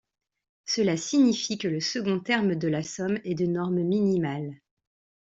Cela signifie que le second terme de la somme est de norme minimale.